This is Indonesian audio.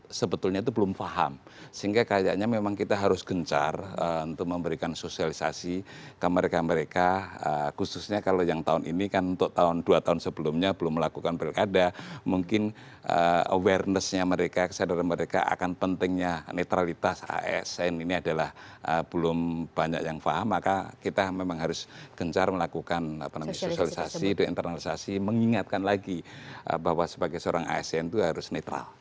banyak sekali yang sebetulnya itu belum paham sehingga kayaknya memang kita harus gencar untuk memberikan sosialisasi ke mereka mereka khususnya kalau yang tahun ini kan untuk tahun dua tahun sebelumnya belum melakukan berkada mungkin awarenessnya mereka kesadaran mereka akan pentingnya netralitas asn ini adalah belum banyak yang paham maka kita memang harus gencar melakukan sosialisasi de internalisasi mengingatkan lagi bahwa sebagai seorang asn itu harus netral